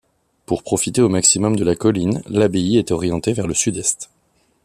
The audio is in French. Pour profiter au maximum de la colline, l’abbaye est orientée vers le sud-est.